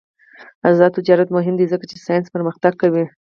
آزاد تجارت مهم دی ځکه چې ساینس پرمختګ کوي.